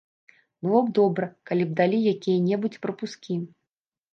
Было б добра, калі б далі якія-небудзь прапускі.